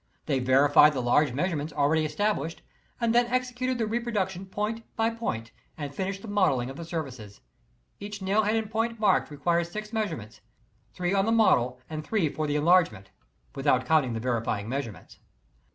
They verified the large measurements already established, and then executed the reproduction point by point, and finished the modeling of the surfaces. Each nail head and point marked requires six measurements, three on the model and three for the enlargement without counting the 5 s I. ^p^ ?^^A. Wl wSiM^ verifying measurements.